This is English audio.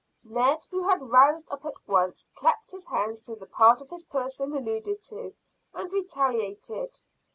Ned, who had roused up at once, clapped his hands to the part of his person alluded to, and retaliated.